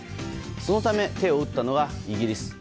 そのため手を打ったのがイギリス。